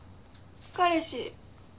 彼氏。